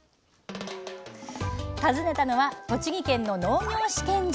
訪ねたのは栃木県の農業試験場。